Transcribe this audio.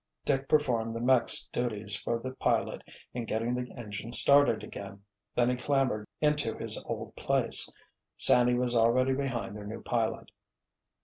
Dick performed the "mech's" duties for the pilot in getting the engine started again, then he clambered into his old place. Sandy was already behind their new pilot.